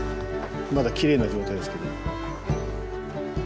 まだきれいな状態ですけど。